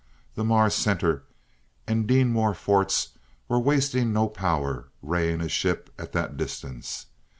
The Mars Center and Deenmor forts were wasting no power raying a ship at that distance.